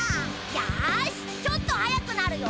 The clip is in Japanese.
よしちょっと速くなるよ。